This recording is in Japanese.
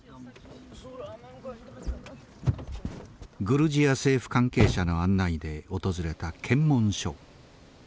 グルジア政府関係者の案内で訪れた検問所。